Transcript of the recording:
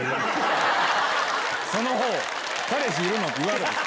「その方彼氏いるの？」って言わない！